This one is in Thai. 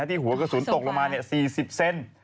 หัวกระสุนตกลงมา๔๐เซน